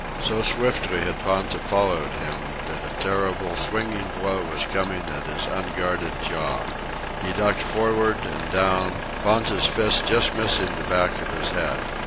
So swiftly had Ponta followed him, that a terrible swinging blow was coming at his unguarded jaw. He ducked forward and down, Ponta's fist just missing the back of his head.